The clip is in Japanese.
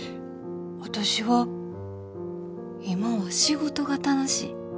私は今は仕事が楽しい。